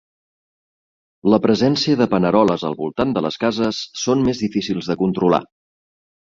La presència de paneroles al voltant de les cases són més difícils de controlar.